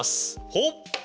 ほっ！